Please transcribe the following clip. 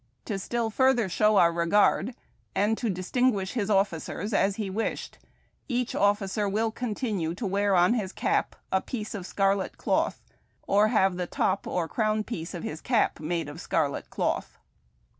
To still further show our regard, and to distinguish his officers as he wished, each officer will continue to wear on his cap a piece of scarlet cloth, or have the top or crown piece of the cap made of scarlet cloth."